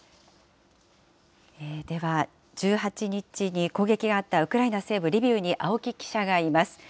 では、１８日に攻撃があったウクライナ西部リビウに青木記者がいます。